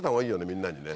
みんなにね。